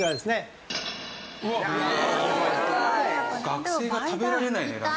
学生が食べられない値段。